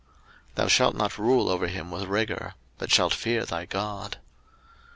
03:025:043 Thou shalt not rule over him with rigour; but shalt fear thy God.